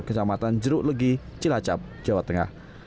kecamatan jeruklegi cilacap jawa tengah